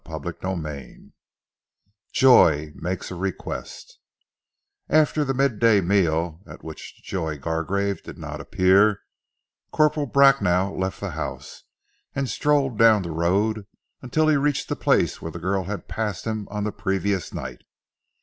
CHAPTER VII JOY MAKES A REQUEST AFTER the mid day meal, at which Joy Gargrave did not appear, Corporal Bracknell left the house, and strolled down the road until he reached the place where the girl had passed him on the previous night.